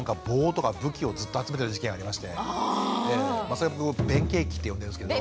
それを僕「弁慶期」って呼んでるんですけど。